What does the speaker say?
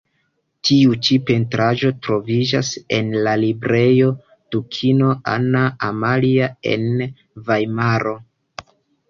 Tiu ĉi pentraĵo troviĝas en la Librejo Dukino Anna Amalia en Vajmaro.